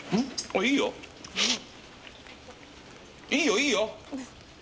いいよいいよ。